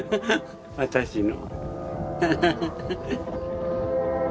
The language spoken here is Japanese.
私の。